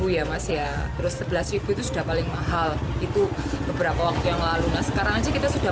ya masih terus sebelas sudah paling mahal itu beberapa waktu yang lalu sekarang aja kita sudah